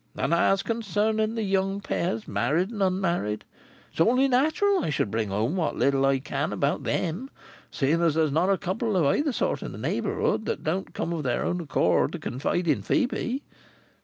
And as concerning the young pairs, married and unmarried, it's only natural I should bring home what little I can about them, seeing that there's not a Couple of either sort in the neighbourhood that don't come of their own accord to confide in Phœbe."